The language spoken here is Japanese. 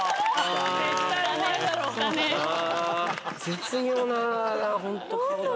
絶妙なホント顔だな。